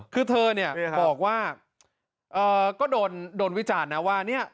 คือเธอเนี่ยบอกว่าก็โดนวิจารณ์นะว่าเนี่ย